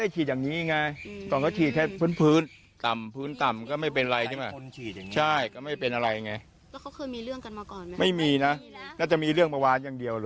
ใช่ก็ไม่เป็นอะไรไง